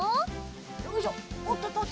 よいしょおっとっとっと。